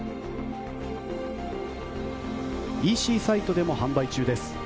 ＥＣサイトでも販売中です。